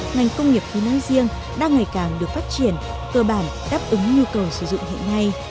ngành công nghiệp khí nói riêng đang ngày càng được phát triển cơ bản đáp ứng nhu cầu sử dụng hiện nay